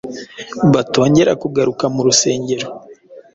batongera kugaruka mu rusengero.